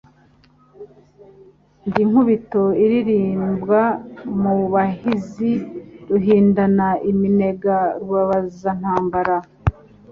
Ndi Nkubito ilirimbwa mu bahizi; Ruhindana iminega, rubabazantambara.